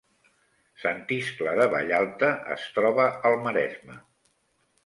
Sant Iscle de Vallalta es troba al Maresme